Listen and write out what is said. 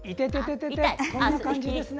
こんな感じですね。